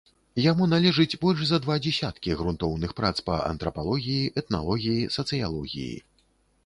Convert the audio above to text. Яму належыць больш за два дзесяткі грунтоўных прац па антрапалогіі, этналогіі, сацыялогіі.